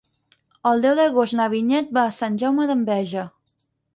El deu d'agost na Vinyet va a Sant Jaume d'Enveja.